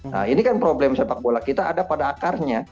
nah ini kan problem sepak bola kita ada pada akarnya